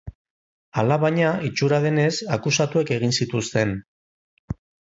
Alabaina, itxura denez, akusatuek egin zituzten.